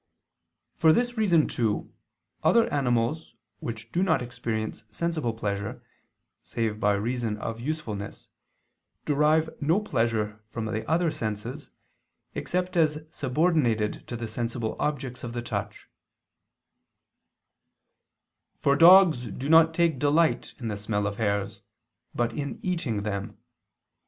For this reason, too, other animals which do not experience sensible pleasure save by reason of usefulness, derive no pleasure from the other senses except as subordinated to the sensible objects of the touch: "for dogs do not take delight in the smell of hares, but in eating them